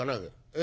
え？